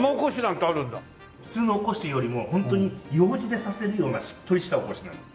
普通のおこしよりもホントにようじで刺せるようなしっとりしたおこしなんです。